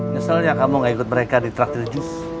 nyeselnya kamu gak ikut mereka di traktir jus